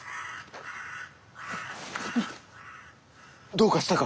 どうかしたか？